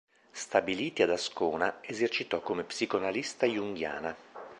Stabiliti ad Ascona, esercitò come psicoanalista junghiana.